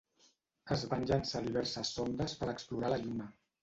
Es van llançar diverses sondes per explorar la Lluna.